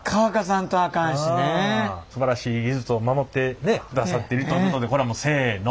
すばらしい技術を守ってくださっているということでこれはもうせの。